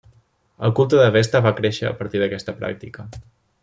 El culte de Vesta va créixer a partir d'aquesta pràctica.